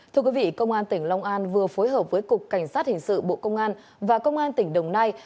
thưa quý vị công an tỉnh long an vừa phối hợp với cục cảnh sát hình sự bộ công an và công an tỉnh đồng nai